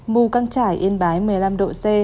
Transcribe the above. mù căng trải yên bái một mươi năm độ c